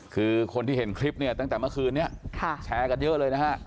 คือคนที่เห็นคลิปเนี่ยตั้งแต่เมื่อคืนนี้แชร์กันเยอะเลยนะฮะ